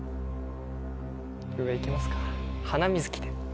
上行きますかハナミズキで。